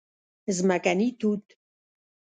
🍓ځمکني توت